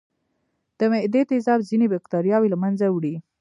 د معدې تیزاب ځینې بکتریاوې له منځه وړي.